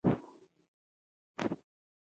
د کرنې په برخه کې د اقلیم بدلونونو څارنه مهمه ده.